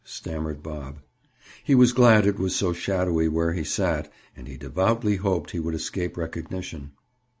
stammered Bob. He was glad it was so shadowy where he sat, and he devoutly hoped he would escape recognition.